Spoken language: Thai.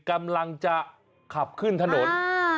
กำลังจะขับขึ้นถนน